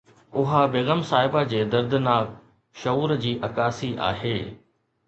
اها بيگم صاحبه جي دردناڪ شعور جي عڪاسي آهي